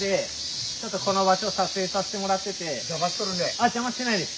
あっ邪魔してないです！